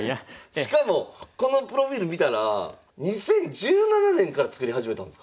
しかもこのプロフィール見たら２０１７年から作り始めたんですか？